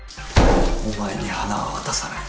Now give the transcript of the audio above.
お前に花は渡さない。